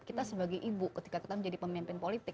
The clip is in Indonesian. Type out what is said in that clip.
kita sebagai ibu ketika kita menjadi pemimpin politik